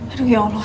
aduh ya allah